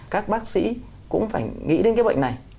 các bác sĩ cũng phải nghĩ đến cái bệnh này